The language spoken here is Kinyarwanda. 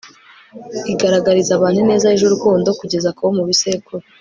igaragariza abantu ineza yuje urukundo kugeza ku bo mu bisekuru